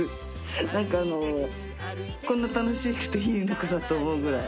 何かあのこんな楽しくていいのかなと思うぐらい。